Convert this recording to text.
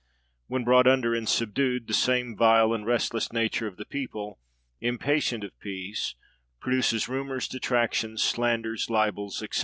And when brought under and subdued, the same vile and restless nature of the people, impatient of peace, produces rumors, detractions, slanders, libels, &c.